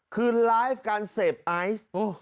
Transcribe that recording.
คือไลฟ์การเสพไอซ์